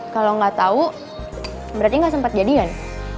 kalo gak tau berarti gak sempet jadi kan